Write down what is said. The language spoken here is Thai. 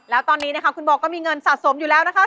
แล้วตอนนี้นะคะคุณโบก็มีเงินสะสมอยู่แล้วนะคะ